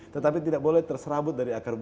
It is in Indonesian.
tetapi tidak boleh terserabut dari akar budaya